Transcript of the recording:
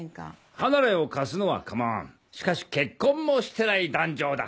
離れを貸すのは構わんしかし結婚もしてない男女をだ